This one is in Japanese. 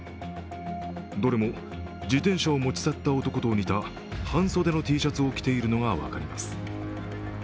どれも自転車を持ち去った男と似た半袖のＴシャツを着ているのが分かります。